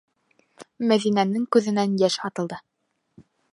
- Мәҙинәнең күҙенән йәш атылды.